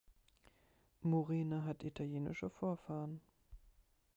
Morena hat italienische Vorfahren.